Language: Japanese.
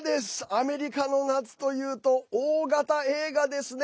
アメリカの夏というと大型映画ですね。